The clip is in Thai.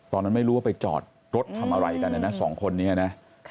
ตอนนั้นไม่รู้ว่าไปจอดรถทำอะไรกันนะนะสองคนนี้นะ